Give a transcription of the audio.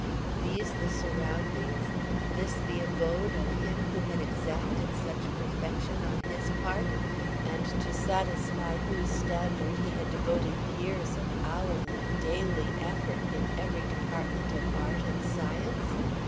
These the surroundings, this the abode of him who had exacted such perfection on his part, and to satisfy whose standard he had devoted years of hourly, daily effort, in every department of art and science?